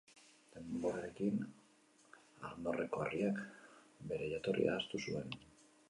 Denborarekin, Arnorreko herriak, bere jatorria ahaztu zuen.